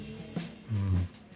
うん。